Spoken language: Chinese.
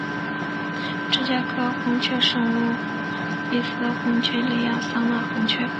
芝加哥红雀圣路易斯红雀亚利桑那红雀